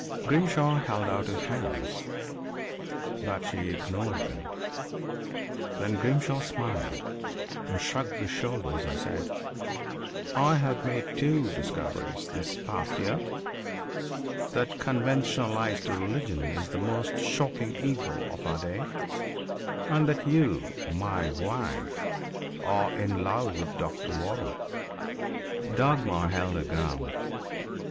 Grimshaw held out his hands, but she ignored them. Then Grimshaw smiled and shrugged his shoulders and said: "I have made two discoveries this past year: That conventionalized religion is the most shocking evil of our day, and that you, my wife, are in love with Doctor Waram." Dagmar held her ground.